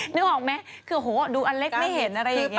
นึกออกไหมคือโหดูอันเล็กไม่เห็นอะไรอย่างนี้